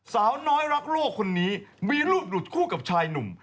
สาวน้อยรักโลกคนนี้มีรูปหลุดคู่กับชายหนุ่ม